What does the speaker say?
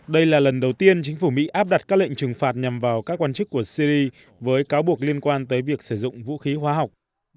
đây là lần đầu tiên chính phủ mỹ áp đặt các lệnh trừng phạt nhằm vào các quan chức của syri với cáo buộc liên quan tới việc sử dụng vũ khí hóa học